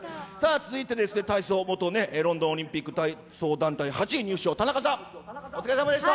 続いて体操元ロンドンオリンピック体操団体８位入賞、田中さん、お疲れさまでした。